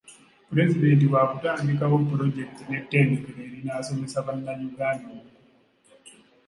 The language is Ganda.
Pulezidenti waakutandikawo pulojekiti n'ettendekero erinaasomesa bannayuganda obukugu.